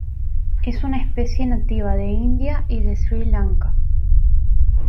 Es una especie nativa de India y de Sri Lanka.